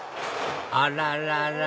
あららら